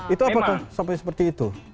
itu apakah sampai seperti itu